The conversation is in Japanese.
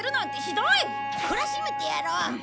こらしめてやろう！